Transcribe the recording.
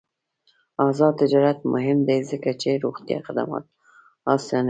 آزاد تجارت مهم دی ځکه چې روغتیا خدمات اسانوي.